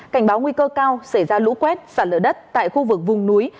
cảnh báo nguy cơ cao xảy ra lũ quét sạt lỡ đất tại khu vực vùng núi